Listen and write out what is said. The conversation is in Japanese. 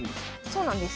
そうなんです。